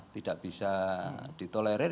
tidak bisa ditolerir